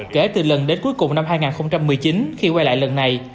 kể từ lần đến cuối cùng năm hai nghìn một mươi chín khi quay lại lần này